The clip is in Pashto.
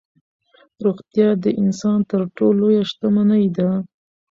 روغتیا د انسان تر ټولو لویه شتمني ده.